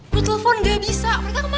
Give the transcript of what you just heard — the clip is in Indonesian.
gue telepon gak bisa mereka kemana